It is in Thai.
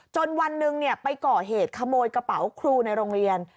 วันหนึ่งไปก่อเหตุขโมยกระเป๋าครูในโรงเรียน